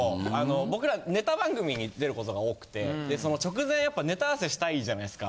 僕らネタ番組に出ることが多くてその直前やっぱネタ合わせしたいじゃないですか。